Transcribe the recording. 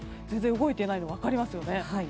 全然動いていないのが分かりますよね。